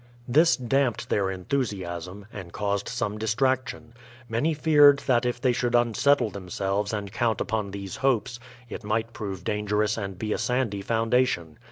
This damped their enthusiasm, and caused some distrac tion. Many feared that if they should unsettle themselves and count upon these hopes, it might prove dangerous and be a sandy foundation.